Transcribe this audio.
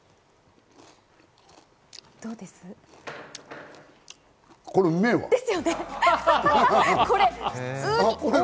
どうです？